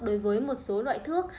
đối với một số loại thước